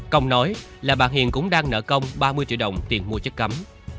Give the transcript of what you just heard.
công nói là bà hiền cũng đang nợ công ba mươi triệu đồng tiền mua chất cấm